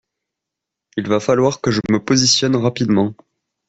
Il va falloir que je me positionne rapidement.